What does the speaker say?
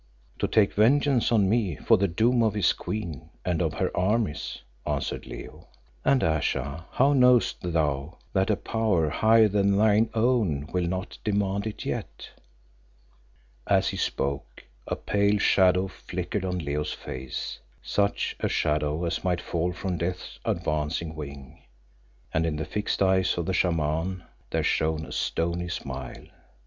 "To take vengeance on me for the doom of his queen and of her armies," answered Leo, "and Ayesha, how knowest thou that a Power higher than thine own will not demand it yet?" As he spoke a pale shadow flickered on Leo's face, such a shadow as might fall from Death's advancing wing, and in the fixed eyes of the Shaman there shone a stony smile.